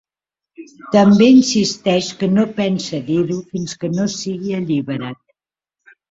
També insisteix que no pensa dir-ho fins que no sigui alliberat.